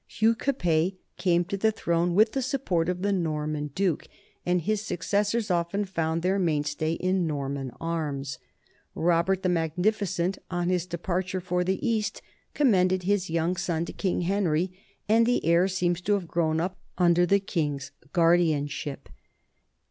Hugh Capet came to the throne with the support of the Norman duke, and his successors often found their mainstay in Norman arms. Robert the Magnificent on his departure for the East commended his young son to King Henry, and the heir seems to have grown up under the king's guardianship.